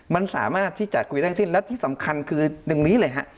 มันสามารถที่จะคุยทั้งสิ้นและที่สำคัญคือดึงนี้เลยฮะ